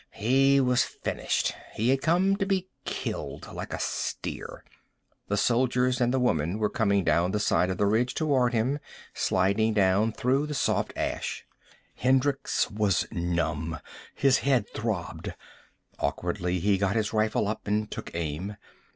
He was finished. He had come to be killed, like a steer. The soldiers and the woman were coming down the side of the ridge toward him, sliding down through the soft ash. Hendricks was numb. His head throbbed. Awkwardly, he got his rifle up and took aim.